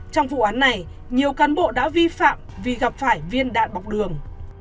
trong vụ án này nhiều cán bộ đã vi phạm vì gặp phải viên đạn bọc đường